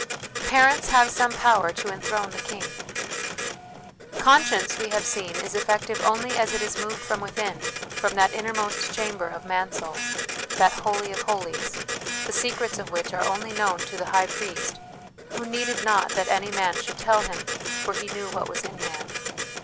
1 Parents have some Power to Enthrone the King. Conscience, we have seen, is effective only as it is moved from within, from that innermost chamber of Mansoul, that Holy of Holies, the secrets of which are only known to the High Priest, who c< needed not that any man should tell Him, for He knew what was in man."